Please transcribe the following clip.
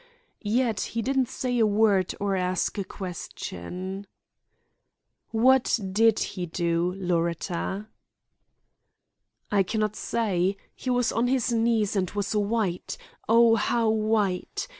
Yet he didn't say a word or ask a question." "What did he do, Loretta?" "I can not say; he was on his knees and was white—Oh, how white!